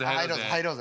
入ろうぜ。